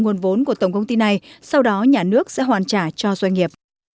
nguồn vốn của tổng công ty này sau đó nhà nước sẽ hoàn trả cho doanh nghiệp